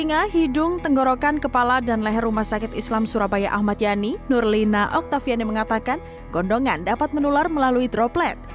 singa hidung tenggorokan kepala dan leher rumah sakit islam surabaya ahmad yani nurlina oktaviani mengatakan gondongan dapat menular melalui droplet